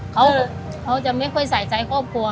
เขาจะไม่ค่อยใส่ใจครอบครัว